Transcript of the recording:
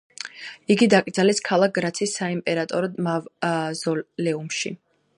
იგი დაკრძალეს ქალაქ გრაცის საიმპერატორო მავზოლეუმში.